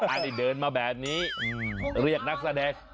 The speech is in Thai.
อันนี้เดินมาแบบนี้เรียกนักแสดง